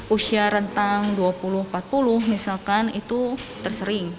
usia rentang dua puluh empat puluh misalkan itu tersering